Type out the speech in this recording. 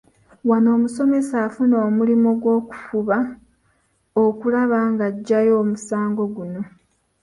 Wano omusomesa afuna omulimu gw’okufuba okulaba ng’aggyayo omugaso guno.